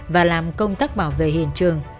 và làm công tác bảo vệ hiện trường